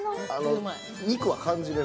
肉は感じれる？